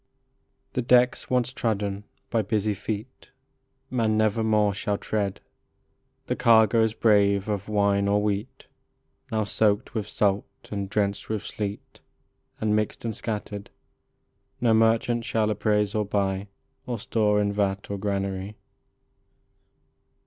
The decks once trodden by busy feet Man nevermore shall tread ; The cargoes brave of wine or wheat, Now soaked with salt and drenched with sleet, And mixed and scattered, No merchant shall appraise or buy Or store in vat or granary.